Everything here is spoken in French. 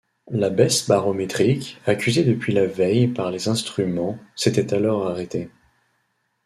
La baisse barométrique, accusée depuis la veille par les instruments, s’était alors arrêtée.